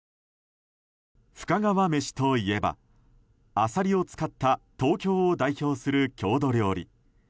深川めしといえばアサリを使った東京を代表する郷土料理。